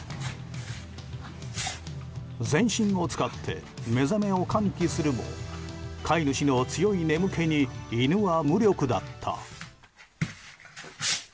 全身を使って目覚めを喚起するも飼い主の強い眠気に犬は無力だった。